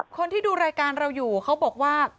คนที่ดูรายการเราอยู่เขาบอกว่า